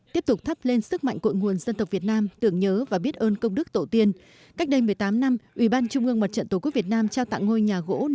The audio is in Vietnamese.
tiếp tục thắp lên sức mạnh cội nguồn dân tộc việt nam tưởng nhớ và biết ơn công đức tổ tiên